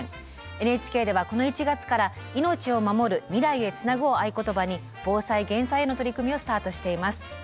ＮＨＫではこの１月から「命をまもる未来へつなぐ」を合言葉に防災・減災への取り組みをスタートしています。